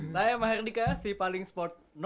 saya mahardika si paling sport